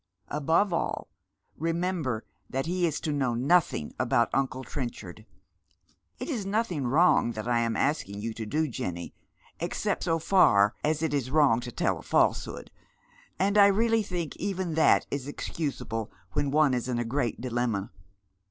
Above all, re member that he is to know nothing about uncle Trenchard. It is nothing wrong that I am asking you to do, Jenny, except so far as it is wrong to tell a falsehood, and I really tliink even that is excusable when one is in a great dilemma."